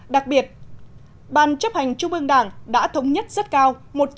đặc biệt ban chấp hành trung ương đảng đã thống nhất rất cao một trăm linh